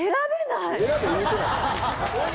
選べ言うてない。